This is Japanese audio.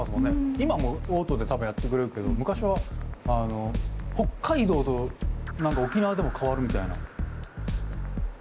今もうオートで多分やってくれるけど昔は北海道と沖縄でも変わるみたいな。